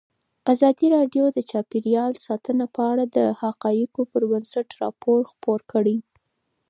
ازادي راډیو د چاپیریال ساتنه په اړه د حقایقو پر بنسټ راپور خپور کړی.